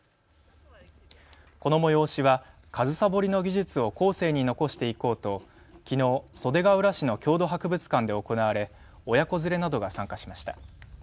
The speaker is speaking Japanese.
この催しは上総掘りの技術を後世に残していこうと、きのう袖ケ浦市の郷土博物館で行われ親子連れなどが参加しました。